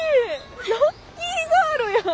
ラッキーガールやん！